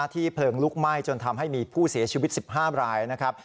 เพลิงลุกไหม้จนทำให้มีผู้เสียชีวิต๑๕รายนะครับ